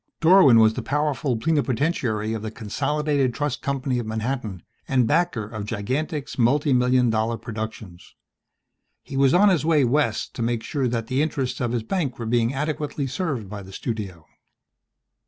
Dorwin was the powerful plenipotentiary of the Consolidated Trust Company of Manhattan and backer of Gigantic's multimillion dollar productions. He was on his way West to make sure that the interests of his bank were being adequately served by the studio.